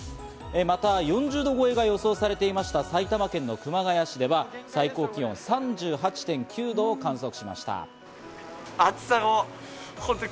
また４０度超えが予想されていました埼玉県の熊谷市では、最高気温３８．９度を観測しました。